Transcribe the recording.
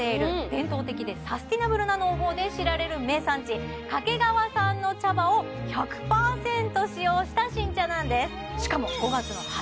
伝統的でサスティナブルな農法で知られる名産地掛川産の茶葉を１００％使用した新茶なんです